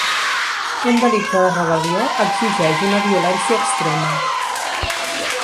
Un delicte de rebel·lió exigeix una violència extrema.